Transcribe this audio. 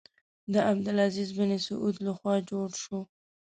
د عبدالعزیز بن سعود له خوا جوړ شو.